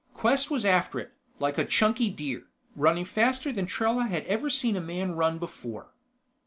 Quest was after it, like a chunky deer, running faster than Trella had ever seen a man run before.